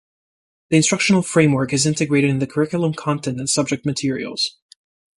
The instructional framework is integrated in the curriculum content and subject materials.